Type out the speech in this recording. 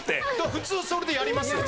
普通それでやりますよね？